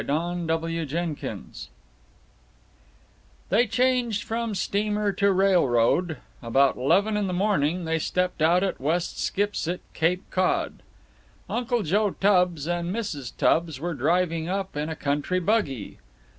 CHAPTER III They changed from steamer to railroad; about eleven in the morning they stepped out at West Skipsit, Cape Cod. Uncle Joe Tubbs and Mrs. Tubbs were driving up, in a country buggy.